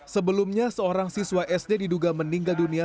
sebelumnya seorang siswa sd diduga meninggal dunia